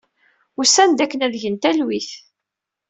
Usan-d akken ad gen talwit.